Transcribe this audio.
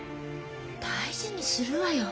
大事にするわよ。